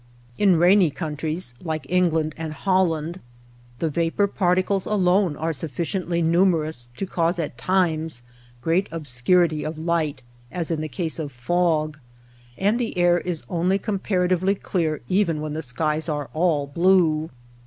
In rainy countries like England and Holland the vapor particles alone are sufficiently numer ous to cause at times great obscurity of light, as in the case of fog ; and the air is only com paratively clear even when the skies are all blue.